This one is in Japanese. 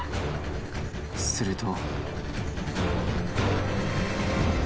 「すると」